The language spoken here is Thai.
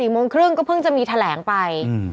โมงครึ่งก็เพิ่งจะมีแถลงไป